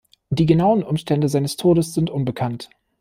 Die genauen Umstände seines Todes sind unbekannt.